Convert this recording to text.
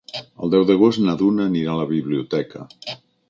El deu d'agost na Duna anirà a la biblioteca.